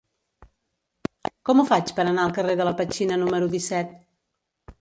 Com ho faig per anar al carrer de la Petxina número disset?